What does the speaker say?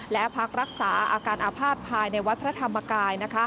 และพักรักษาอาการอาภาษณ์ภายในวัดพระธรรมกาย